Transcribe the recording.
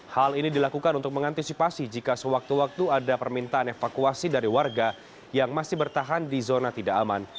hal ini dilakukan untuk mengantisipasi jika sewaktu waktu ada permintaan evakuasi dari warga yang masih bertahan di zona tidak aman